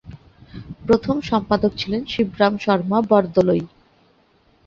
প্রথম সম্পাদক ছিলেন শিবরাম শর্মা বরদলৈ।